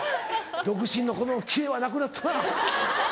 独身の頃のキレはなくなったな。